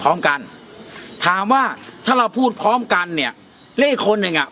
พร้อมกันถามว่าถ้าเราพูดพร้อมกันเนี่ยเลขคนหนึ่งอ่ะ